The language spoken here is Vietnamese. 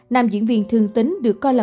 nam diễn viên thương tính được coi là